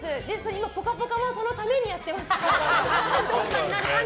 今、「ぽかぽか」もそのためにやってます。